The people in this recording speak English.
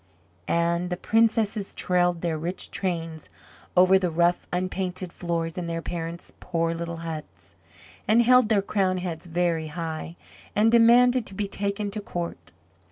And the princesses trailed their rich trains over the rough unpainted floors in their parents' poor little huts, and held their crowned heads very high and demanded to be taken to court.